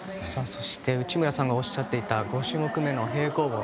そして内村さんがおっしゃっていた５種目目の平行棒。